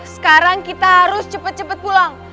sekarang kita harus cepat cepat pulang